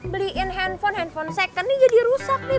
beliin handphone handphone second nih jadi rusak nih